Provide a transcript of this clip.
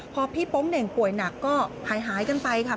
พอพี่โป๊งเหน่งป่วยหนักก็หายกันไปค่ะ